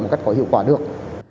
một cách có hiệu quả được